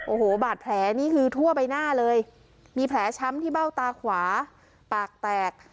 โอ้โหบาดแผลนี่คือทั่วใบหน้าเลยมีแผลช้ำที่เบ้าตาขวาปากแตก